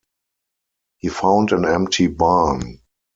He found an empty barn.